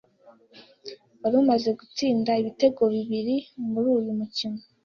wari umaze gutsinda ibitego bibiri muri uyu mukino